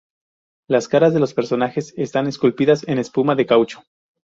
Las caras de los personajes están esculpidas en espuma de caucho.